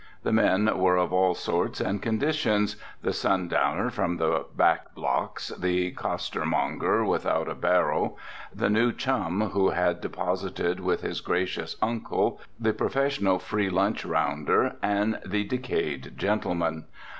The men were of all sorts and conditions, the sundowner from the back blocks, the costermonger without a barrow, the new chum who had deposited with his gracious uncle, the professional free lunch rounder and the decayed gentleman.